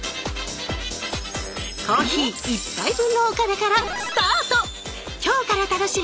コーヒー１杯分のお金からスタート！